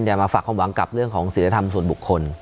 อย่ามาฝากความหวังกับสิรธรรมสวดบุคคล